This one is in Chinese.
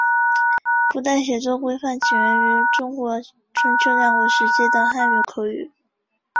古代写作规范起源自中国春秋战国时期的汉语口语。